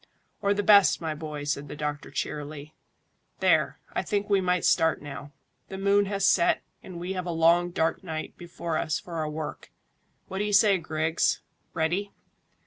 "Or the best, my boy," said the doctor cheerily. "There, I think we might start now. The moon has set, and we have a long dark night before us for our work. What do you say, Griggs? Ready?"